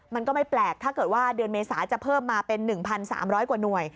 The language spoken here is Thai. มันก็ไม่แปลกถ้าเกิดว่าเดือนเมษาจะเพิ่มมาเป็น๑๓๐๐กว่าหน่วย